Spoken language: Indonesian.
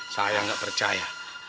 saya gak percaya